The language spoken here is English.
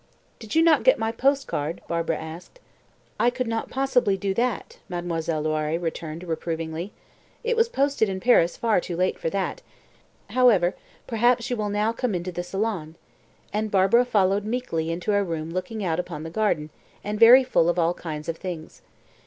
"Did you not get my post card?" Barbara asked. "I could not possibly do that," Mademoiselle Loiré returned reprovingly; "it was posted in Paris far too late for that. However, perhaps you will now come into the salon," and Barbara followed meekly into a room looking out upon the garden, and very full of all kinds of things.